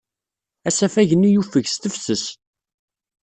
Asafag-nni yufeg s tefses.